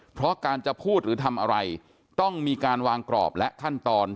เพราะการจะพูดหรือทำอะไรต้องมีการวางกรอบและขั้นตอน